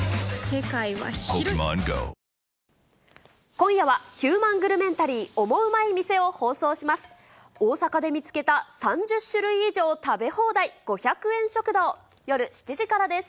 今夜は、ヒューマングルメンタリーオモウマい店を放送します。